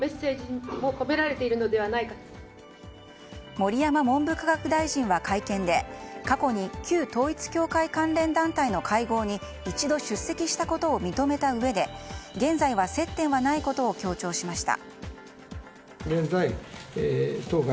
盛山文部科学大臣は、会見で過去に旧統一教会関連団体の会合に１度出席したことを認めたうえで、現在は接点はないことを強調しました。